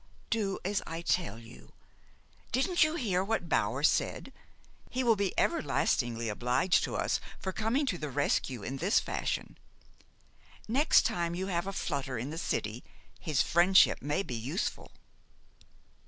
"Do as I tell you! Didn't you hear what Bower said? He will be everlastingly obliged to us for coming to the rescue in this fashion. Next time you have a flutter in the city, his friendship may be useful."